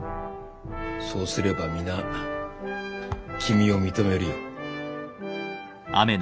そうすれば皆君を認めるよ。